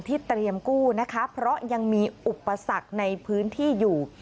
เตรียมกู้นะคะเพราะยังมีอุปสรรคในพื้นที่อยู่